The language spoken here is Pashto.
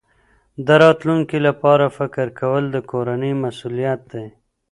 د راتلونکي لپاره فکر کول د کورنۍ مسؤلیت دی.